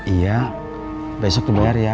iya besok tuh bayar ya